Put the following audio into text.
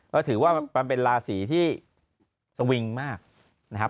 ก็ถือว่ามันเป็นราศีที่สวิงมากนะครับ